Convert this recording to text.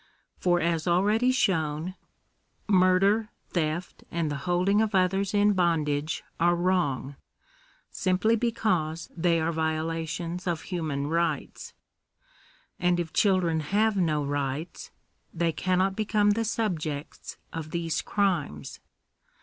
For, as already shown (pp. 112, 134), murder, theft, and the holding of others in bondage are wrong, simply because they are violations of human rights; and if children have no rights, they cannot become the subjects of these crimes.